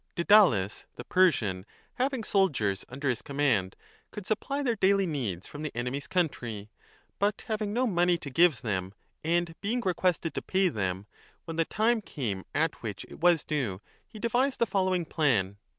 ,. Didales, the Persian, having soldiers under his com mand, could supply their daily needs from the enemy s country, but having no money to give them, and being requested to pay them, when the time came at which it was due he devised the following plan.